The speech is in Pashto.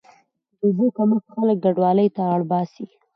د اوبو کمښت خلک کډوالۍ ته اړ باسي.